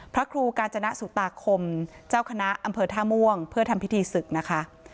พระครูกาญจนสุตาคมเจ้าคณะอำเภอท่าม่วงเพื่อทำพิธีศึกนะคะ